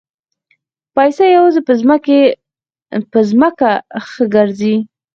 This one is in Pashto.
پسه یوازې په ځمکه ښه ګرځي.